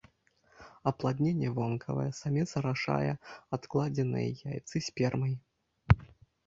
Апладненне вонкавае, самец арашае адкладзеныя яйцы спермай.